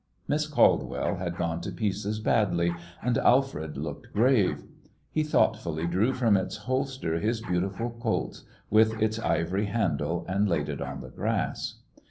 Miss Caldwell had gone to pieces badly, and Alfred looked grave. He thoughtfully drew from its holster his beautiful Colt's with its ivory handle, and laid it on the grass.